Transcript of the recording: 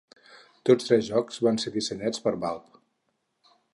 Tots tres jocs van ser dissenyats per Valve.